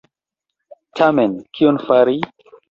Tamen kion fari?